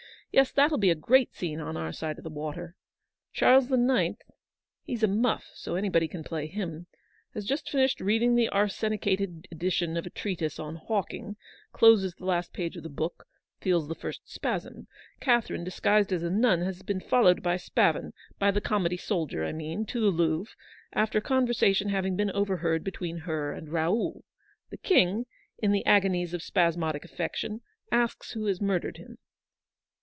Yes, that'll be a great scene on our side of the water. Charles the Ninth — he's a muff, so anybody can play him — has just finished read ing the arsenicated edition of a treatise on hawk ing, closes the last page of the book, feels the first spasm. Catherine, disguised as a nun, has been followed by Spavin — by the comedy soldier, I mean — to the Louvre, after a conversation having been overheard between her and Raoul. The King, in the agonies of spasmodic affection, asks who has murdered him.